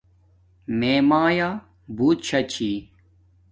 میے مایآ بوت شا چھی